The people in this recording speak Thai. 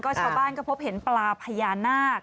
ชาวบ้านก็พบเห็นปลาพญานาค